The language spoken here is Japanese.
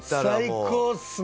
最高ですね！